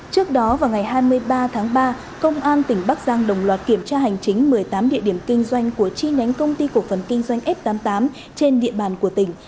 trước đó vào ngày hai mươi ba tháng ba công an tỉnh bắc giang đồng loạt kiểm tra hành chính một mươi tám địa điểm kinh doanh của chi nhánh công ty cổ phần kinh doanh f tám mươi tám trên địa bàn của tỉnh